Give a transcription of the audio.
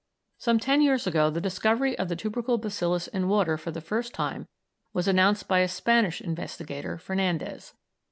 Some ten years ago the discovery of the tubercle bacillus in water for the first time was announced by a Spanish investigator, Fernandez.